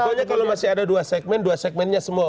pokoknya kalau masih ada dua segmen dua segmennya semua